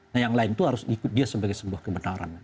nah yang lain itu harus ikut dia sebagai sebuah kebenaran